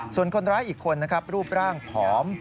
ส่วนคนร้ายอีกคนนะครับรูปร่างผอม